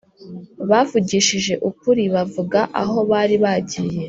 bavugishije ukuri bavuga aho bari bagiye